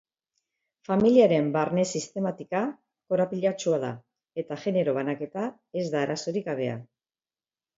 Familiaren barne-sistematika korapilatsua da, eta genero-banaketa ez da arazorik gabea.